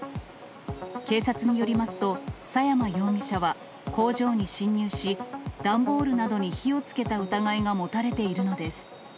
警察によりますと、佐山容疑者は工場に侵入し、段ボールなどに火をつけた疑いが持たれているのです。